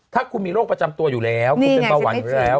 ถ้าคุณมีโรคประจำตัวอยู่แล้วคุณเป็นเบาหวานอยู่แล้ว